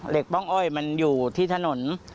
ป้องอ้อยมันอยู่ที่ถนน